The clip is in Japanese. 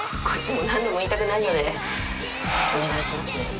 こっちも何度も言いたくないのでお願いしますね。